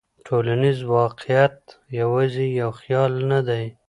ټولنیز واقعیت یوازې یو خیال نه دی.